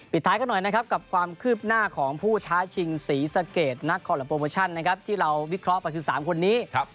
ท้ายกันหน่อยนะครับกับความคืบหน้าของผู้ท้าชิงศรีสะเกดนักคอลัมโปรโมชั่นนะครับที่เราวิเคราะห์ไปคือ๓คนนี้